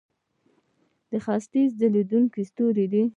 د ختیځ ځلیدونکی ستوری.